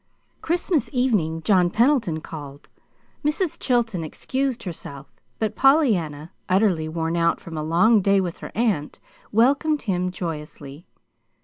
Christmas evening John Pendleton called. Mrs. Chilton excused herself, but Pollyanna, utterly worn out from a long day with her aunt, welcomed him joyously.